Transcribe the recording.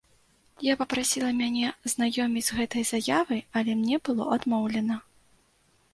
Я папрасіла мяне азнаёміць з гэтай заявай, але мне было адмоўлена.